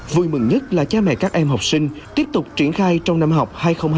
vui mừng nhất là cha mẹ các em học sinh tiếp tục triển khai trong năm học hai nghìn hai mươi hai nghìn hai mươi